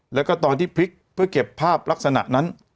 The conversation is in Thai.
แล้วก็ตอนที่พลิกเพื่อเก็บภาพลักษณะนั้น